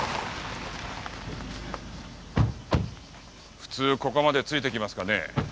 普通ここまでついてきますかね？